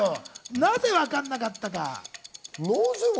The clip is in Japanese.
なぜわからなかったか。